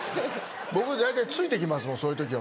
僕大体ついて行きますもんそういう時は。